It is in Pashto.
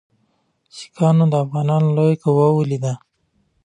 سیکهانو د افغانانو لویه قوه ولیده.